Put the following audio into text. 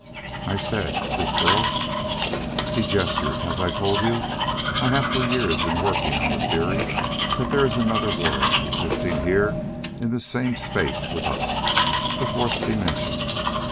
I said, "This girl " He gestured. "As I told you, I have for years been working on the theory that there is another world, existing here in this same space with us. The Fourth Dimension!